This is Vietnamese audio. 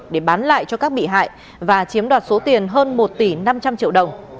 để bán lại cho các bị hại và chiếm đoạt số tiền hơn một tỷ năm trăm linh triệu đồng